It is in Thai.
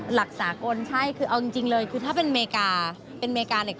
หลักสากลใช่เอาจริงเลยคือถ้าเป็นเมริกา